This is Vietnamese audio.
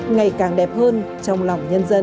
ngày càng đẹp hơn trong lòng nhân dân